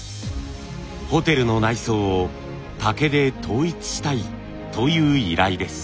ホテルの内装を竹で統一したいという依頼です。